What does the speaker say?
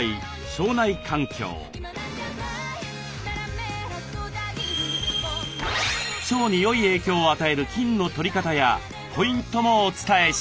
腸によい影響を与える菌のとり方やポイントもお伝えします。